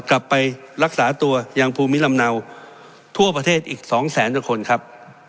กลับไปรักษาตัวอย่างภูมิลำเนาทั่วประเทศอีกสองแสนกว่าคนครับ